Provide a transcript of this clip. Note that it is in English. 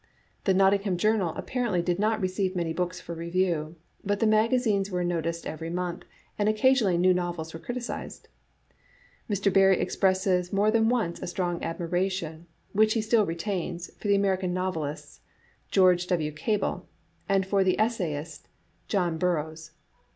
The Nottingham Journal apparently did not receive many books for review, but the maga zines were noticed every month, and occasionally new novels were criticised. Mr. Barrie expresses more than once a strong admiration, which he still retains, for the American novelist, George W. Cable, and for the essayist, John Burroughs.